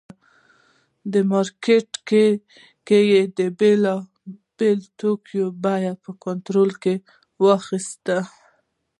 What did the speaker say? په مارکېټ کې یې د بېلابېلو توکو بیې په کنټرول کې واخیستې.